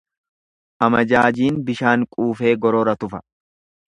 Amajaajiin bishaan quufee gorora tufa.